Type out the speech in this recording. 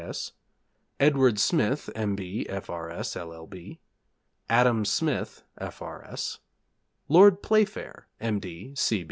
C.S. Edward Smith, M.B., F.R.S., LL.B. Adam Smith, F.R.S. Lord Playfair, M.